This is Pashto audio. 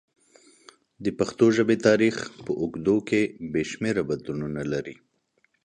د پښتو ژبې تاریخ په اوږدو کې بې شمېره بدلونونه لري.